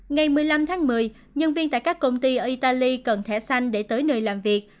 ngày một mươi năm tháng một mươi nhân viên tại các công ty ở italy cần thẻ xanh để tới nơi làm việc